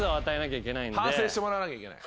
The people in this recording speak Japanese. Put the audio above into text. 反省してもらわなきゃいけない。